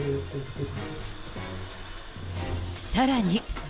さらに。